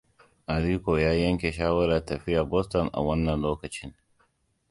Aliko ya yanke shawarar tafiya Boston a wannan lokacin.